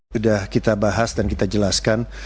sudah kita bahas dan kita jelaskan